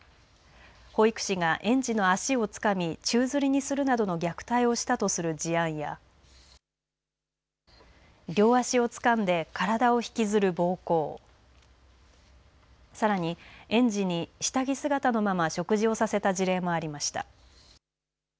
保育士が園児の足をつかみ宙づりにするなどの虐待をしたとする事案や両足をつかんで体を引きずる暴行さらに、園児に下着姿のまま食事をさせた事例もありました。